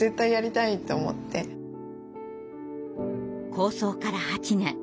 構想から８年。